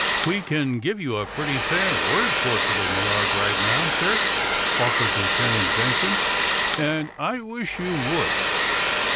"We can give you a pretty fair word portrait of Millard right now, sir," offered Lieutenant Benson. "And I wish you would."